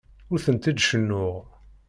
Ur tent-id-cennuɣ.